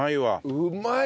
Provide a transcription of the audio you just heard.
うまい！